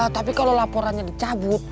tapi kalau laporannya dicabut